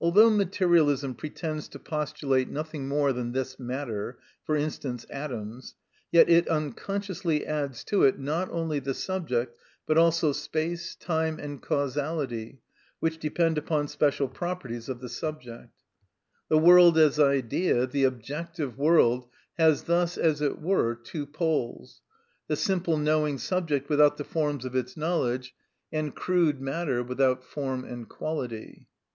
Although materialism pretends to postulate nothing more than this matter—for instance, atoms—yet it unconsciously adds to it not only the subject, but also space, time, and causality, which depend upon special properties of the subject. The world as idea, the objective world, has thus, as it were, two poles; the simple knowing subject without the forms of its knowledge, and crude matter without form and quality.